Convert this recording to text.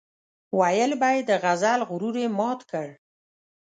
ويل به يې د غزل غرور یې مات کړ.